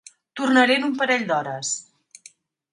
Tornaré en un parell d'hores.